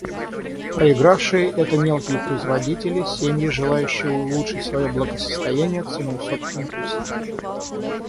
Проигравшие — это мелкие производители, семьи, желающие улучшить свое благосостояние ценой собственных усилий.